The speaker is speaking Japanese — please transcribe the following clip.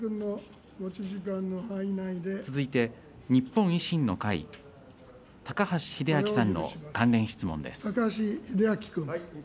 続いて、日本維新の会、高橋英明さんの関連質問です。